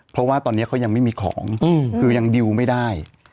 เพราะว่าตอนนี้เขายังไม่มีของคือยังดิวไม่ได้